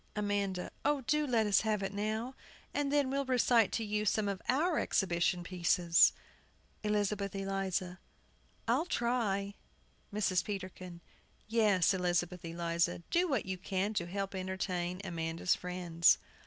AMANDA. Oh, do let us have it now; and then we'll recite to you some of our exhibition pieces. ELIZABETH ELIZA. I'll try. MRS. PETERKIN. Yes, Elizabeth Eliza, do what you can to help entertain Amanda's friends.